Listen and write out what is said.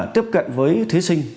tiếp cận với thí sinh